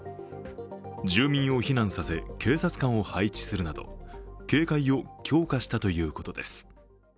住民を避難させ、警察官を配置するなど警戒を強化したということです。